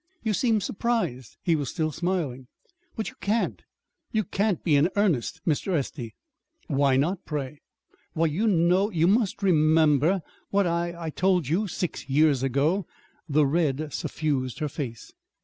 "You seem surprised." He was still smiling. "But you can't you can't be in earnest, Mr. Estey." "Why not, pray?" "Why, you know you must remember what I I told you, six years ago." The red suffused her face.